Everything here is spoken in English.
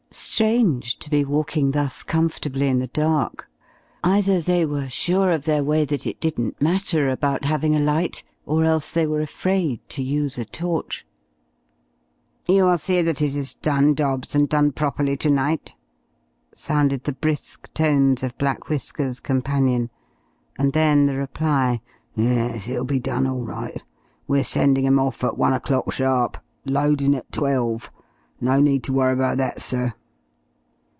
Strange to be walking thus comfortably in the dark! Either they were sure of their way that it didn't matter about having a light, or else they were afraid to use a torch. "You will see that it is done, Dobbs, and done properly to night?" sounded the brisk tones of "Black Whiskers'" companion. And then the reply: "Yes, it'll be done all right. We're sending 'em off at one o'clock sharp. Loadin' at twelve. No need to worry about that, sir."